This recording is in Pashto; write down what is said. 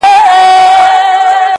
o ما ته شجره یې د نژاد او نصب مه راوړی,